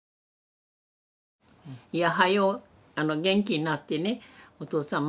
はよう元気になってねお父さん